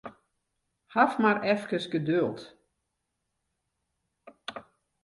Haw mar efkes geduld.